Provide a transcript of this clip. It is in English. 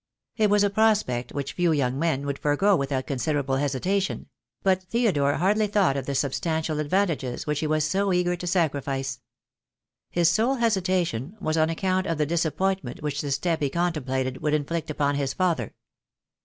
It was a prospect which few young men would forego with out considerable hesitation; but Theodore hardly thought of the substantial advantages which he was so eager to sacrifice. His sole hesitation was on account of the dis appointment which the step he contemplated would in flict upon his father.